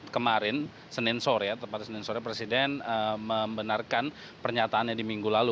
kemarin senin sore presiden membenarkan pernyataannya di minggu lalu